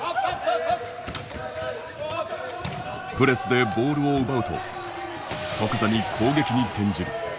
プレスでボールを奪うと即座に攻撃に転じる。